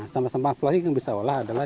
sampah sampah plastik yang bisa olah adalah